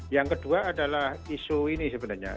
yang kedua adalah isu ini sebenarnya